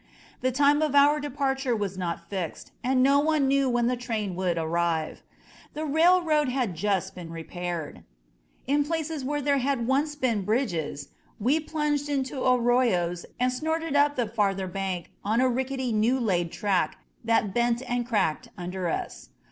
The time of our departure was not fixed, and no one knew when the train would arrive. The railroad had just been repaired. In places where there had once been bridges we plunged into arroyos and snorted up the farther bank on a rickety new laid track that bent and cracked under us.